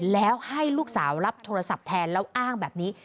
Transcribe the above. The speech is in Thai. แล้วให้ลูกสาวรับโทรศัพท์แทนแล้วอ้างแบบนี้